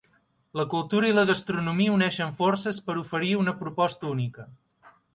La cultura i la gastronomia uneixen forces per oferir una proposta única.